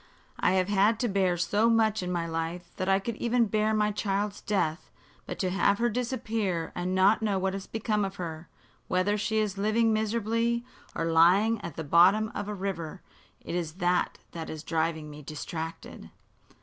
I have had to bear so much in my life that I could even bear my child's death. But to have her disappear and not know what has become of her whether she is living miserably or lying at the bottom of the river it is this that is driving me distracted."